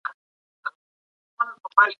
که همصنفي مرسته کوي نو ستونزه نه اوږدېږي.